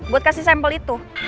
buat kasih sampel itu